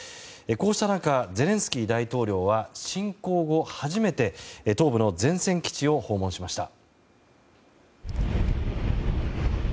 こうした中ゼレンスキー大統領は侵攻後、初めて東部の前線基地を訪問しました。